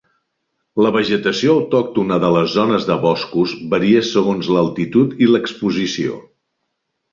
La vegetació autòctona de les zones de boscos varia segons l'altitud i l'exposició.